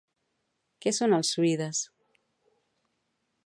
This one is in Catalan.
Què són els Suides?